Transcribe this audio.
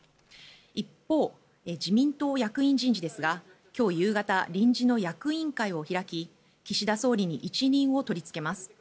一方、自民党役員人事ですが今日夕方臨時の役員会を開き岸田総理に一任を取りつけます。